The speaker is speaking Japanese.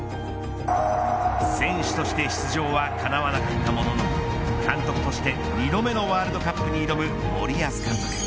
選手として出場はかなわなかったものの監督として２度目のワールドカップに挑む森保監督。